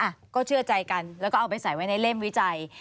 อ่ะก็เชื่อใจกันแล้วก็เอาไปใส่ไว้ในเล่มวิจัย